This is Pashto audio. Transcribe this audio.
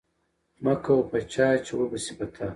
مه کوه په چا، چي وبه سي په تا